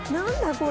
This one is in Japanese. これ。